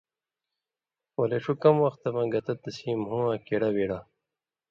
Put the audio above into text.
ولے ݜُو کم وختہ مہ گتہ تسِیں مُھوواں کِڑہ وِڑہ